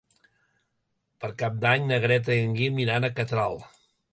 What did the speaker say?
Per Cap d'Any na Greta i en Guim iran a Catral.